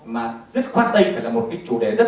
mà rất khoát đây là một chủ đề rất đáng